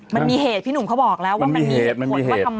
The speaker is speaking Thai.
มันมีเหตุพี่หนุ่มเขาบอกแล้วว่ามันมีเหตุมันมีเหตุ